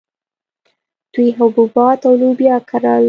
دوی حبوبات او لوبیا کرل